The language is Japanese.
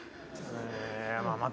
えまあ